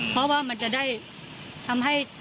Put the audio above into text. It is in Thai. เพราะว่ามันจะได้ทำให้